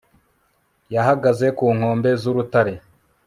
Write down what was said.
Yahagaze ku nkombe zurutare